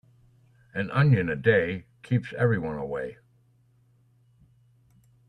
An onion a day keeps everyone away.